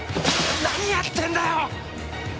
何やってんだよ！？